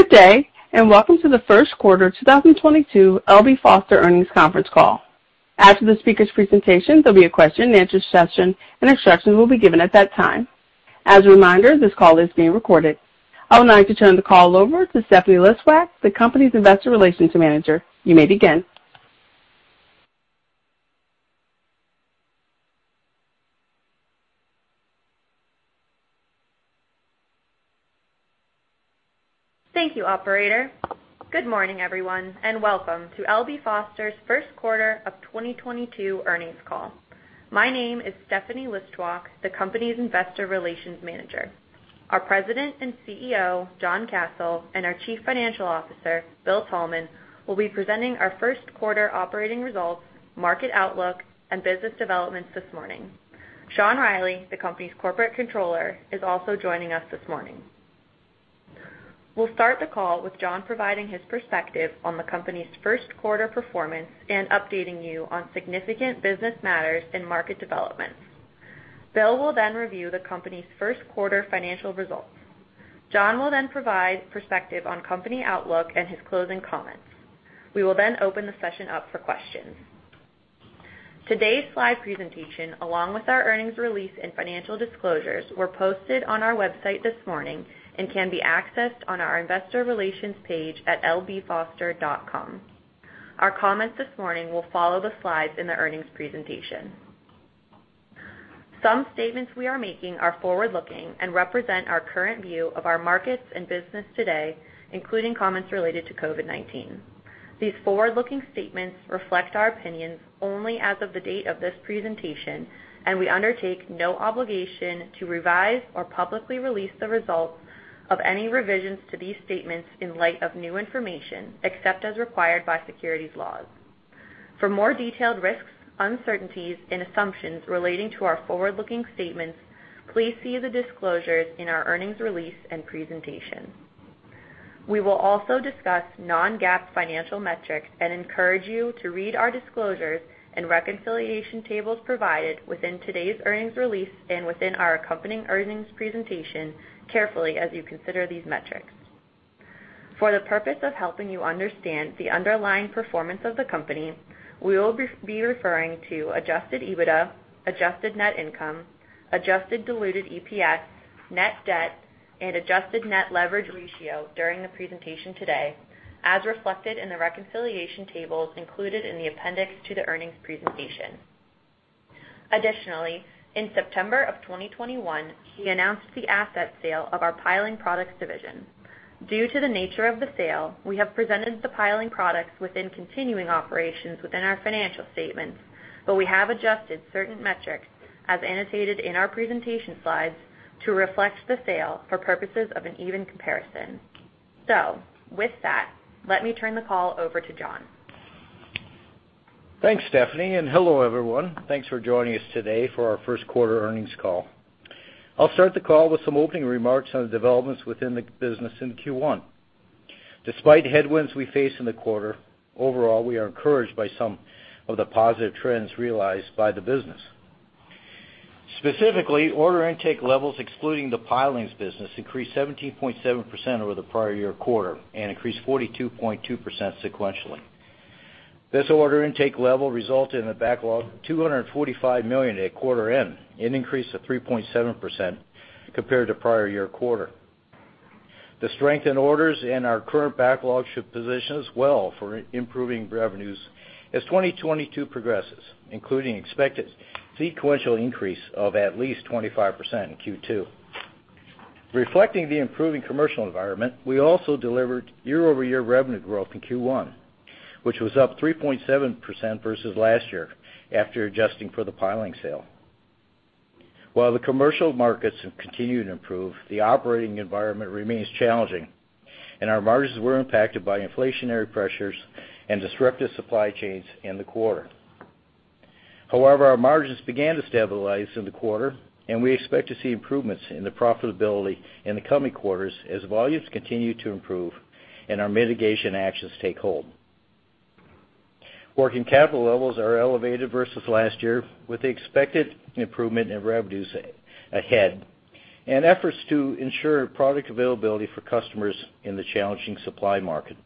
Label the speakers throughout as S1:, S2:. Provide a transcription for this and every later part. S1: Good day, and welcome to the first quarter 2022 L.B. Foster earnings conference call. After the speakers' presentation, there'll be a question-and-answer session, and instructions will be given at that time. As a reminder, this call is being recorded. I would now like to turn the call over to Stephanie Listwak, the company's Investor Relations Manager. You may begin.
S2: Thank you, operator. Good morning, everyone, and welcome to L.B. Foster's first quarter of 2022 earnings call. My name is Stephanie Listwak, the company's Investor Relations Manager. Our President and CEO, John Kasel, and our Chief Financial Officer, Bill Thalman, will be presenting our first quarter operating results, market outlook, and business developments this morning. Sean Reilly, the company's Corporate Controller, is also joining us this morning. We'll start the call with John providing his perspective on the company's first quarter performance and updating you on significant business matters and market developments. Bill will then review the company's first quarter financial results. John will then provide perspective on company outlook and his closing comments. We will then open the session up for questions. Today's slide presentation, along with our earnings release and financial disclosures, were posted on our website this morning and can be accessed on our investor relations page at lbfoster.com. Our comments this morning will follow the slides in the earnings presentation. Some statements we are making are forward-looking and represent our current view of our markets and business today, including comments related to COVID-19. These forward-looking statements reflect our opinions only as of the date of this presentation, and we undertake no obligation to revise or publicly release the results of any revisions to these statements in light of new information, except as required by securities laws. For more detailed risks, uncertainties, and assumptions relating to our forward-looking statements, please see the disclosures in our earnings release and presentation. We will also discuss non-GAAP financial metrics and encourage you to read our disclosures and reconciliation tables provided within today's earnings release and within our accompanying earnings presentation carefully as you consider these metrics. For the purpose of helping you understand the underlying performance of the company, we will be referring to adjusted EBITDA, adjusted net income, adjusted diluted EPS, net debt, and adjusted net leverage ratio during the presentation today, as reflected in the reconciliation tables included in the appendix to the earnings presentation. Additionally, in September of 2021, we announced the asset sale of our Piling Products division. Due to the nature of the sale, we have presented the Piling Products within continuing operations within our financial statements, but we have adjusted certain metrics as annotated in our presentation slides to reflect the sale for purposes of an even comparison. With that, let me turn the call over to John.
S3: Thanks, Stephanie, and hello, everyone. Thanks for joining us today for our first quarter earnings call. I'll start the call with some opening remarks on the developments within the business in Q1. Despite headwinds we face in the quarter, overall, we are encouraged by some of the positive trends realized by the business. Specifically, order intake levels, excluding the Piling business, increased 17.7% over the prior year quarter and increased 42.2% sequentially. This order intake level resulted in a backlog of $245 million at quarter end, an increase of 3.7% compared to prior year quarter. The strength in orders and our current backlog should position us well for improving revenues as 2022 progresses, including expected sequential increase of at least 25% in Q2. Reflecting the improving commercial environment, we also delivered year-over-year revenue growth in Q1, which was up 3.7% versus last year after adjusting for the Piling sale. While the commercial markets have continued to improve, the operating environment remains challenging, and our margins were impacted by inflationary pressures and disrupted supply chains in the quarter. However, our margins began to stabilize in the quarter, and we expect to see improvements in the profitability in the coming quarters as volumes continue to improve and our mitigation actions take hold. Working capital levels are elevated versus last year with the expected improvement in revenues ahead and efforts to ensure product availability for customers in the challenging supply market.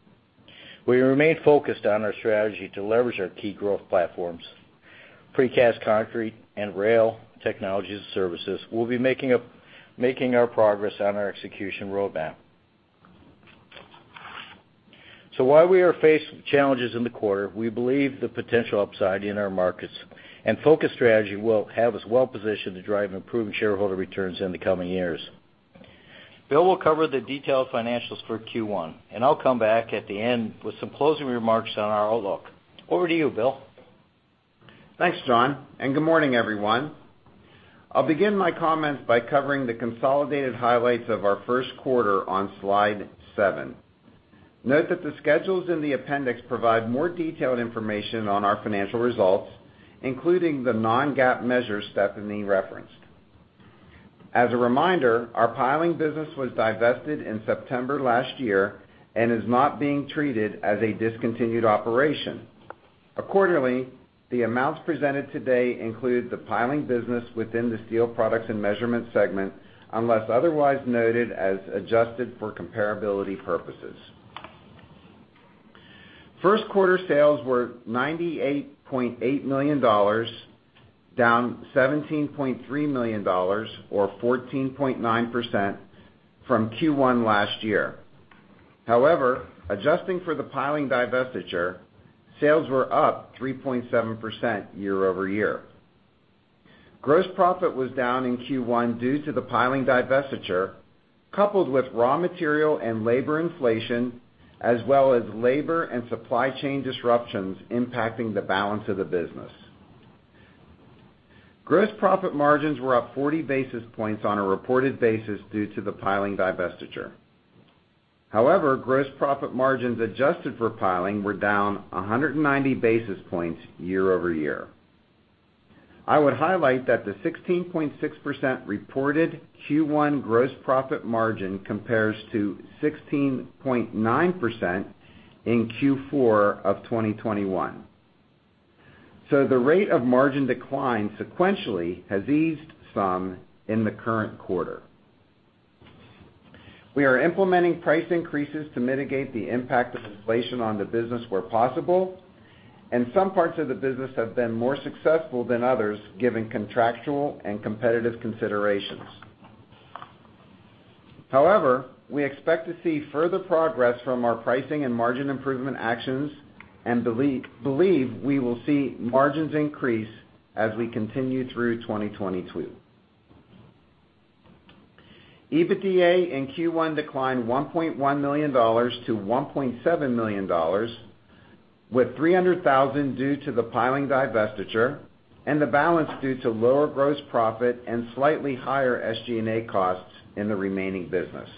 S3: We remain focused on our strategy to leverage our key growth platforms. Precast Concrete and Rail Technologies and Services will be making our progress on our execution roadmap. While we are faced with challenges in the quarter, we believe the potential upside in our markets and focus strategy will have us well positioned to drive improved shareholder returns in the coming years. Bill will cover the detailed financials for Q1, and I'll come back at the end with some closing remarks on our outlook. Over to you, Bill.
S4: Thanks, John, and good morning, everyone. I'll begin my comments by covering the consolidated highlights of our first quarter on slide seven. Note that the schedules in the appendix provide more detailed information on our financial results, including the non-GAAP measures Stephanie referenced. As a reminder, our Piling business was divested in September last year and is not being treated as a discontinued operation. Accordingly, the amounts presented today include the Piling business within the Steel Products and Measurement segment, unless otherwise noted as adjusted for comparability purposes. First quarter sales were $98.8 million, down $17.3 million or 14.9% from Q1 last year. However, adjusting for the Piling divestiture, sales were up 3.7% year-over-year. Gross profit was down in Q1 due to the Piling divestiture, coupled with raw material and labor inflation, as well as labor and supply chain disruptions impacting the balance of the business. Gross profit margins were up 40 basis points on a reported basis due to the Piling divestiture. However, gross profit margins adjusted for Piling were down 190 basis points year-over-year. I would highlight that the 16.6% reported Q1 gross profit margin compares to 16.9% in Q4 of 2021. The rate of margin decline sequentially has eased some in the current quarter. We are implementing price increases to mitigate the impact of inflation on the business where possible, and some parts of the business have been more successful than others, given contractual and competitive considerations. However, we expect to see further progress from our pricing and margin improvement actions and believe we will see margins increase as we continue through 2022. EBITDA in Q1 declined $1.1 million to $1.7 million, with $300,000 due to the piling divestiture and the balance due to lower gross profit and slightly higher SG&A costs in the remaining business.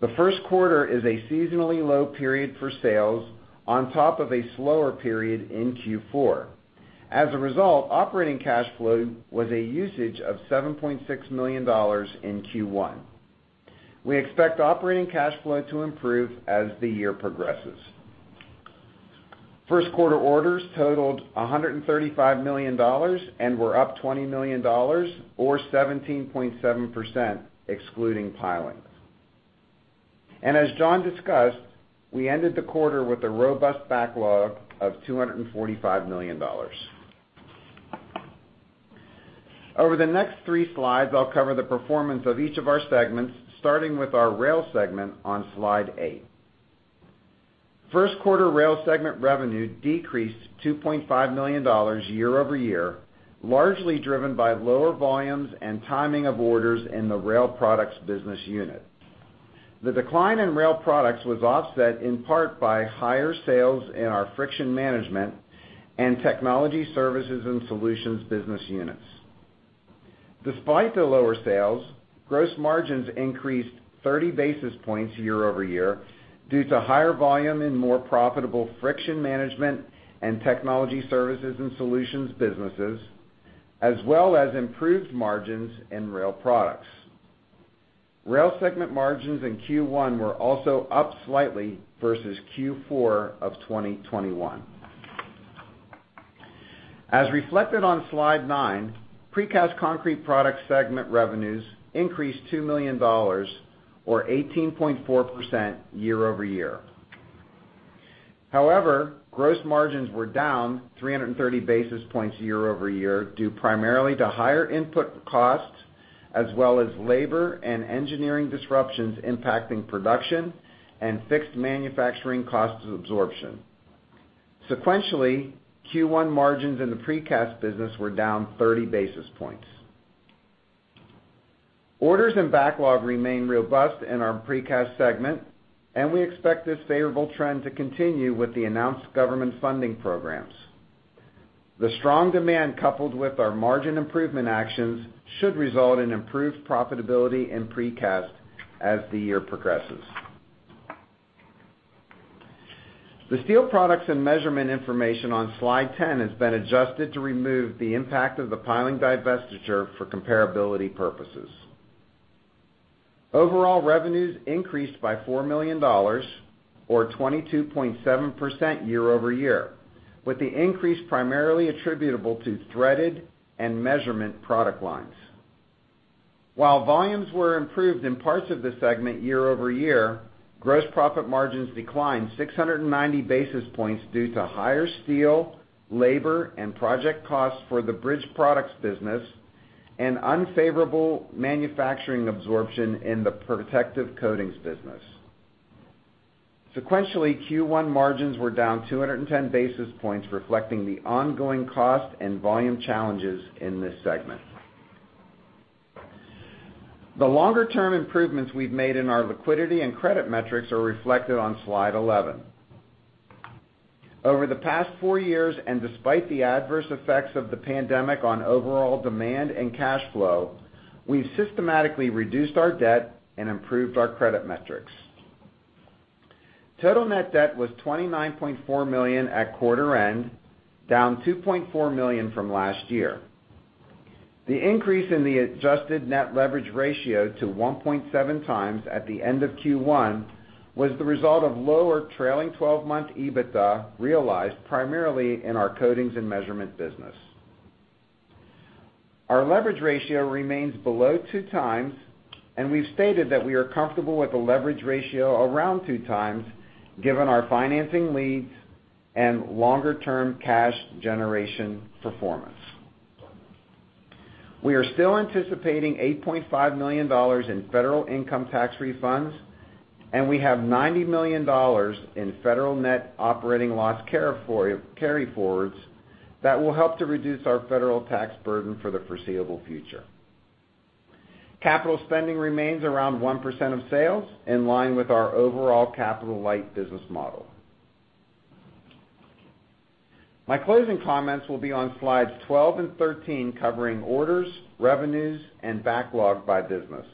S4: The first quarter is a seasonally low period for sales on top of a slower period in Q4. As a result, operating cash flow was a usage of $7.6 million in Q1. We expect operating cash flow to improve as the year progresses. First quarter orders totaled $135 million and were up $20 million or 17.7% excluding piling. As John discussed, we ended the quarter with a robust backlog of $245 million. Over the next three slides, I'll cover the performance of each of our segments, starting with our Rail segment on slide eight. First quarter Rail segment revenue decreased $2.5 million year-over-year, largely driven by lower volumes and timing of orders in the Rail Products business unit. The decline in Rail Products was offset in part by higher sales in our Friction Management and Technology Services and Solutions business units. Despite the lower sales, gross margins increased 30 basis points year-over-year due to higher volume and more profitable Friction Management and Technology Services and Solutions businesses, as well as improved margins in Rail Products. Rail segment margins in Q1 were also up slightly versus Q4 of 2021. As reflected on Slide nine, Precast Concrete Products segment revenues increased $2 million or 18.4% year-over-year. However, gross margins were down 330 basis points year-over-year, due primarily to higher input costs as well as labor and engineering disruptions impacting production and fixed manufacturing cost absorption. Sequentially, Q1 margins in the Precast business were down 30 basis points. Orders and backlog remain robust in our Precast segment, and we expect this favorable trend to continue with the announced government funding programs. The strong demand, coupled with our margin improvement actions, should result in improved profitability in Precast as the year progresses. The Steel Products and Measurement information on Slide 10 has been adjusted to remove the impact of the Piling Products divestiture for comparability purposes. Overall revenues increased by $4 million or 22.7% year-over-year, with the increase primarily attributable to threaded and measurement product lines. While volumes were improved in parts of the segment year-over-year, gross profit margins declined 690 basis points due to higher steel, labor, and project costs for the bridge products business and unfavorable manufacturing absorption in the protective coatings business. Sequentially, Q1 margins were down 210 basis points, reflecting the ongoing cost and volume challenges in this segment. The longer term improvements we've made in our liquidity and credit metrics are reflected on Slide 11. Over the past four years, despite the adverse effects of the pandemic on overall demand and cash flow, we've systematically reduced our debt and improved our credit metrics. Total net debt was $29.4 million at quarter end, down $2.4 million from last year. The increase in the adjusted net leverage ratio to 1.7x at the end of Q1 was the result of lower trailing 12-month EBITDA realized primarily in our coatings and measurement business. Our leverage ratio remains below 2x, and we've stated that we are comfortable with a leverage ratio around 2x given our financing needs and longer-term cash generation performance. We are still anticipating $8.5 million in federal income tax refunds, and we have $90 million in federal net operating loss carryforwards that will help to reduce our federal tax burden for the foreseeable future. Capital spending remains around 1% of sales, in line with our overall capital-light business model. My closing comments will be on slides 12 and 13, covering orders, revenues, and backlog by business.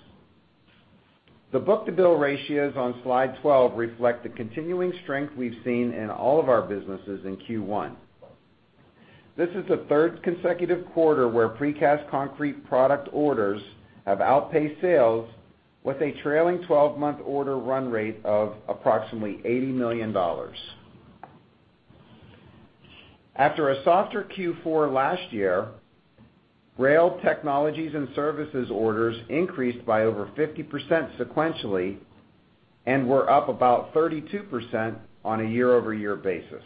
S4: The book-to-bill ratios on slide 12 reflect the continuing strength we've seen in all of our businesses in Q1. This is the third consecutive quarter where Precast Concrete Products orders have outpaced sales with a trailing 12-month order run rate of approximately $80 million. After a softer Q4 last year, Rail Technologies and Services orders increased by over 50% sequentially and were up about 32% on a year-over-year basis.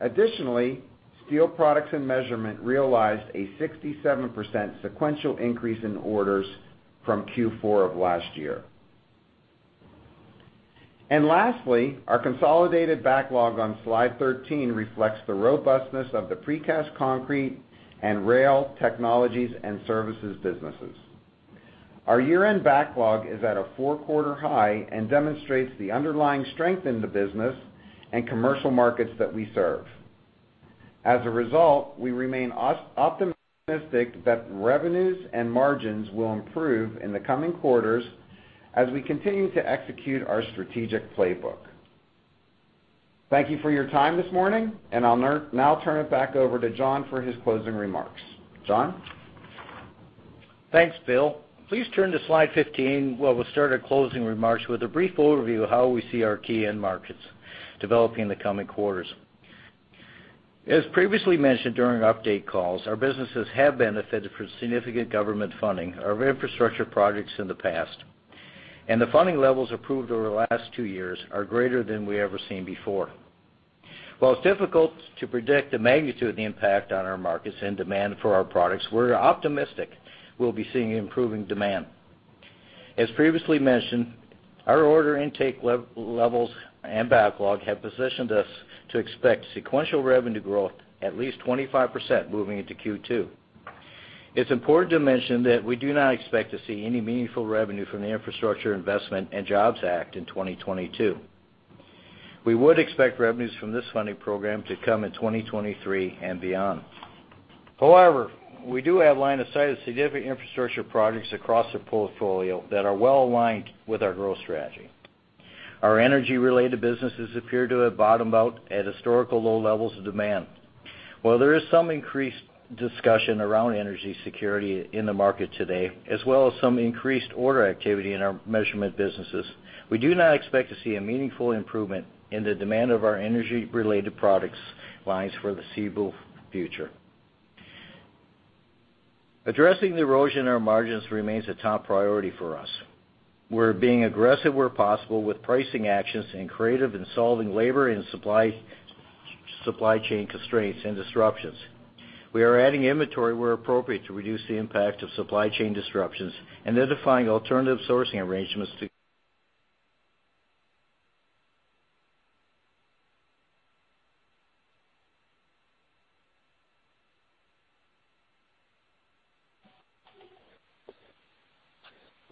S4: Additionally, Steel Products and Measurement realized a 67% sequential increase in orders from Q4 of last year. Lastly, our consolidated backlog on slide 13 reflects the robustness of the Precast Concrete and Rail Technologies and Services businesses. Our year-end backlog is at a four-quarter high and demonstrates the underlying strength in the business and commercial markets that we serve. As a result, we remain optimistic that revenues and margins will improve in the coming quarters as we continue to execute our strategic playbook. Thank you for your time this morning, and I'll now turn it back over to John for his closing remarks. John?
S3: Thanks, Bill. Please turn to slide 15, where we'll start our closing remarks with a brief overview of how we see our key end markets developing in the coming quarters. As previously mentioned during our update calls, our businesses have benefited from significant government funding of infrastructure projects in the past, and the funding levels approved over the last two years are greater than we ever seen before. While it's difficult to predict the magnitude of the impact on our markets and demand for our products, we're optimistic we'll be seeing improving demand. As previously mentioned, our order intake levels and backlog have positioned us to expect sequential revenue growth at least 25% moving into Q2. It's important to mention that we do not expect to see any meaningful revenue from the Infrastructure Investment and Jobs Act in 2022. We would expect revenues from this funding program to come in 2023 and beyond. However, we do have line of sight of significant infrastructure projects across the portfolio that are well aligned with our growth strategy. Our energy-related businesses appear to have bottomed out at historical low levels of demand. While there is some increased discussion around energy security in the market today, as well as some increased order activity in our measurement businesses, we do not expect to see a meaningful improvement in the demand of our energy-related product lines for the foreseeable future. Addressing the erosion in our margins remains a top priority for us. We're being aggressive where possible with pricing actions and creative in solving labor and supply chain constraints and disruptions. We are adding inventory where appropriate to reduce the impact of supply chain disruptions and identifying alternative sourcing arrangements to.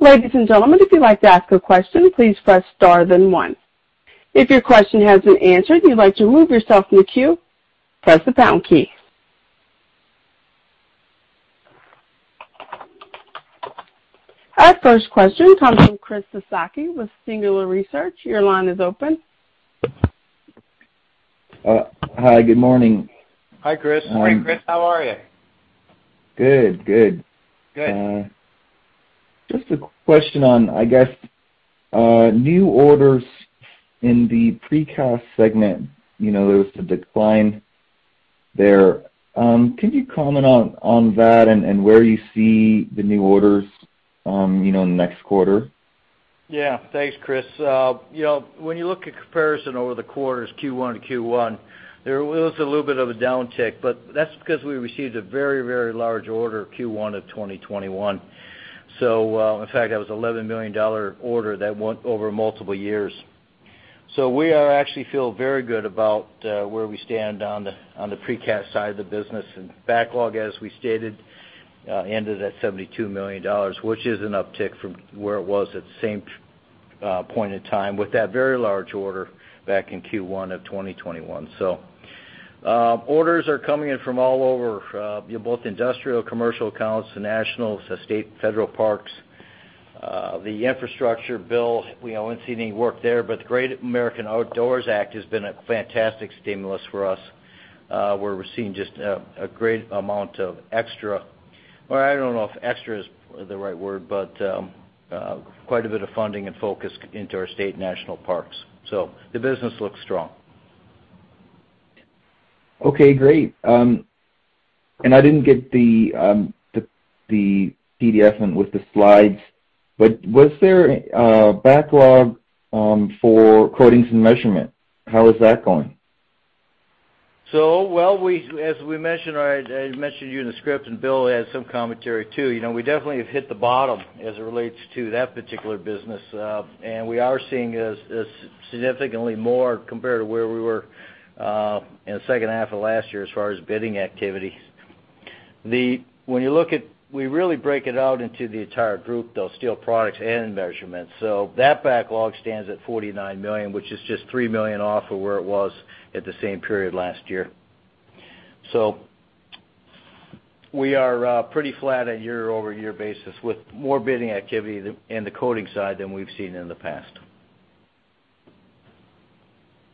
S1: Ladies and gentlemen, if you'd like to ask a question, please press star then one. If your question has been answered and you'd like to remove yourself from the queue, press the pound key. Our first question comes from Christopher Sakai with Singular Research. Your line is open.
S5: Hi, good morning.
S3: Hi, Chris.
S4: Hi, Chris. How are you?
S5: Good. Good.
S3: Good.
S5: Just a question on, I guess, new orders in the precast segment. You know, there was the decline there. Can you comment on that and where you see the new orders, you know, next quarter?
S3: Yeah. Thanks, Chris. You know, when you look at comparison over the quarters Q1 to Q1, there was a little bit of a downtick, but that's because we received a very, very large order Q1 of 2021. In fact, that was $11 million order that went over multiple years. We are actually feel very good about where we stand on the precast side of the business. Backlog, as we stated, ended at $72 million, which is an uptick from where it was at the same point in time with that very large order back in Q1 of 2021. Orders are coming in from all over, you know, both industrial commercial accounts to national, so state and federal parks. The infrastructure bill, we haven't seen any work there, but the Great American Outdoors Act has been a fantastic stimulus for us, where we're seeing just a great amount. Well, I don't know if extra is the right word, but quite a bit of funding and focus into our state and national parks. The business looks strong.
S5: Okay, great. I didn't get the PDF in with the slides, but was there a backlog for coatings and measurement? How is that going?
S3: As we mentioned, or I mentioned to you in the script, and Bill had some commentary too, you know, we definitely have hit the bottom as it relates to that particular business. We are seeing significantly more compared to where we were in the second half of last year as far as bidding activity. When you look at, we really break it out into the entire group, though, Steel Products and Measurement. That backlog stands at $49 million, which is just $3 million off of where it was at the same period last year. We are pretty flat on a year-over-year basis with more bidding activity in the coating side than we've seen in the past.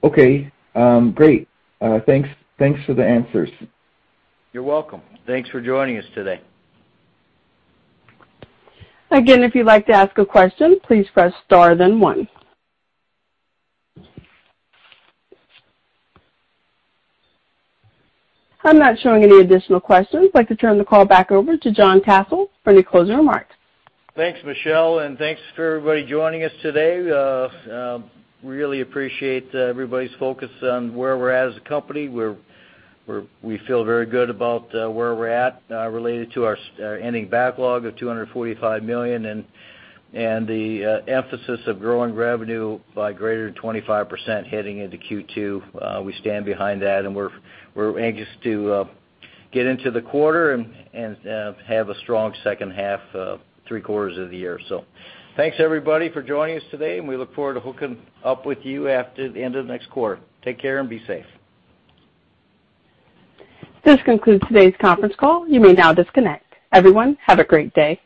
S5: Okay. Great. Thanks for the answers.
S3: You're welcome. Thanks for joining us today.
S1: Again, if you'd like to ask a question, please press star then one. I'm not showing any additional questions. I'd like to turn the call back over to John Kasel for any closing remarks.
S3: Thanks, Michelle, and thanks for everybody joining us today. Really appreciate everybody's focus on where we're at as a company. We feel very good about where we're at related to our ending backlog of $245 million and the emphasis of growing revenue by greater than 25% heading into Q2. We stand behind that, and we're anxious to get into the quarter and have a strong second half, three-quarters of the year. Thanks, everybody, for joining us today, and we look forward to hooking up with you after the end of next quarter. Take care and be safe.
S1: This concludes today's conference call. You may now disconnect. Everyone, have a great day.